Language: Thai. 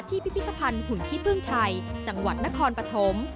พิพิธภัณฑ์หุ่นขี้พึ่งไทยจังหวัดนครปฐม